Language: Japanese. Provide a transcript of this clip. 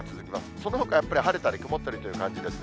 そのほか、やっぱり、晴れたり曇ったりという感じですね。